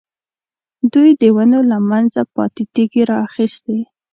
دوی د ونو له منځه ماتې تېږې را اخیستې.